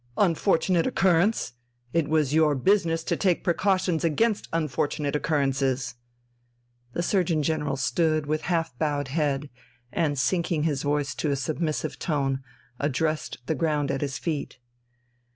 Unfortunate occurrence! It was your business to take precautions against unfortunate occurrences...." The Surgeon General stood with half bowed head and, sinking his voice to a submissive tone, addressed the ground at his feet.